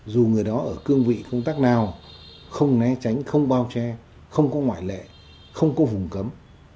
dù người đó ở cương vị công tác nào không né tránh không bao che không có ngoại lệ không có vùng cấm